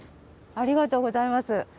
ありがとうございます。